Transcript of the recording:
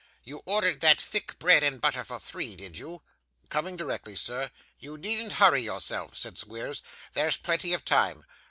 You ordered that thick bread and butter for three, did you?' 'Coming directly, sir.' 'You needn't hurry yourself,' said Squeers; 'there's plenty of time.